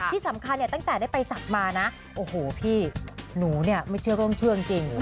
ที่สำคัญเนี่ยตั้งแต่ได้ไปศักดิ์มานะโอ้โหพี่หนูเนี่ยไม่เชื่อก็ต้องเชื่อจริง